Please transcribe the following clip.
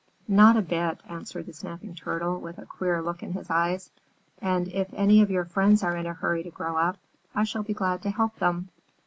"Not a bit," answered the Snapping Turtle, with a queer look in his eyes. "And if any of your friends are in a hurry to grow up, I shall be glad to help them."